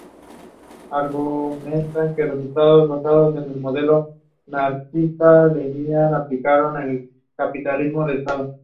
Argumentan que los Estados basados en el modelo marxista-leninista aplicaron el capitalismo de Estado.